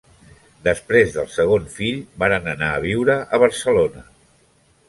Després del segon fill, varen anar a viure a Barcelona.